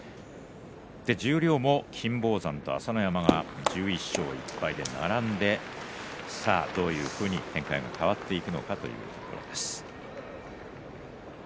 十両も金峰山と朝乃山が１１勝１敗で並んでどういうふうに変わっていくのかというところです。